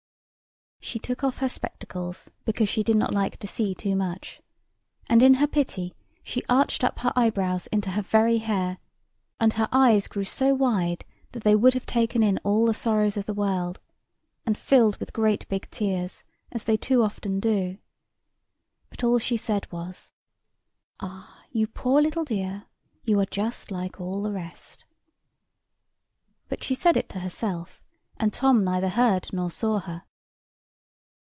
She took off her spectacles, because she did not like to see too much; and in her pity she arched up her eyebrows into her very hair, and her eyes grew so wide that they would have taken in all the sorrows of the world, and filled with great big tears, as they too often do. But all she said was: "Ah, you poor little dear! you are just like all the rest." But she said it to herself, and Tom neither heard nor saw her.